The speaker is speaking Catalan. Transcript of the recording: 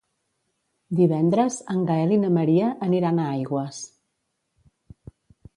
Divendres en Gaël i na Maria aniran a Aigües.